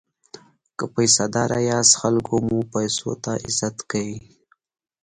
که پیسه داره یاست خلک مو پیسو ته عزت کوي.